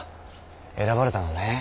選ばれたのね。